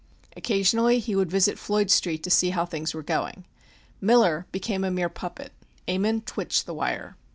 Occasionally he would visit Floyd Street to see how things were going. Miller became a mere puppet; Ammon twitched the wire.